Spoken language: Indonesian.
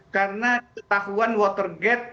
karena ketahuan watergate